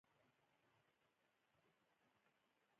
انار د وزن د کنټرول لپاره ګټور دی.